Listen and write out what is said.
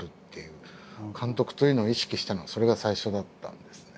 監督というのを意識したのはそれが最初だったんですね。